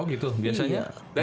oh gitu biasanya